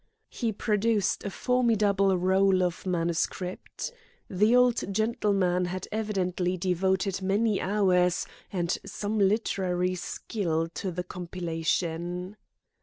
He produced a formidable roll of manuscript. The old gentleman had evidently devoted many hours and some literary skill to the compilation.